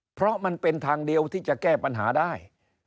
เพราะมันเป็นทางเดียวที่จะแก้ปัญหาได้